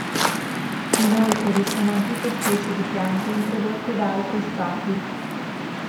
Inoltre vi sono antiche specie di piante introdotte da altri stati.